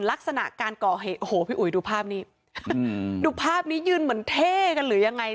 ลักษณะการก่อเหตุโอ้โหพี่อุ๋ยดูภาพนี้ดูภาพนี้ยืนเหมือนเท่กันหรือยังไง